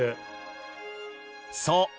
そう。